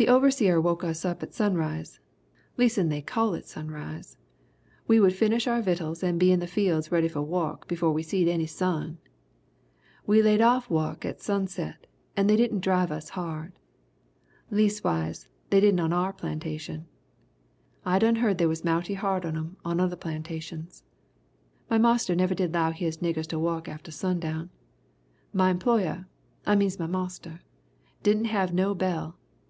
"The overseer woke us up at sunrise leas'n they called it sunrise! We would finish our vittles and be in the fields ready for wuk befo' we seed any sun! We laid off wuk at sunset and they didn't drive us hard. Leas'wise, they didn' on our plantation. I done heard they was moughty hard on 'em on other plantations. My marster never did 'low his niggers to wuk atter sundown. My employer, I means my marster, didn't have no bell.